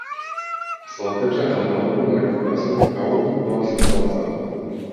Hasta la fecha el álbum de recopilación aún no ha sido lanzado.